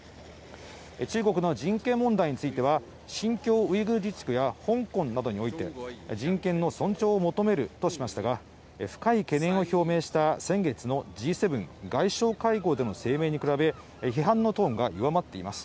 中国の人権問題については新疆ウイグル自治区や香港などにおいて人権の尊重を求めるとしましたが深い懸念を表明した先月のＧ７外相会合での声明に比べ批判のトーンが弱まっています。